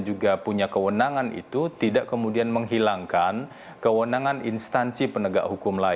juga punya kewenangan itu tidak kemudian menghilangkan kewenangan instansi penegak hukum lain